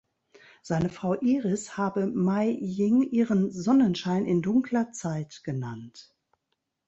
Seine Frau Iris habe Mei Jing ihren „Sonnenschein in dunkler Zeit“ genannt.